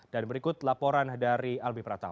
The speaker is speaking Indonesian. dan berikut laporan dari albi pratapa